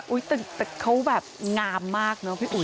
แต่เขาแบบงามมากเนอะพี่อุ๋